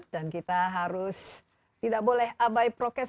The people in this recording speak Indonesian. dan kita harus tidak boleh abai prokes